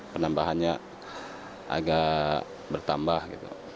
penambahannya agak bertambah gitu